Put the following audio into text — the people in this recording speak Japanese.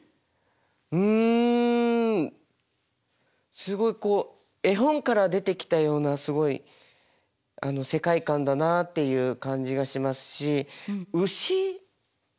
うんすごいこう絵本から出てきたようなすごい世界観だなっていう感じがしますし牛ですかね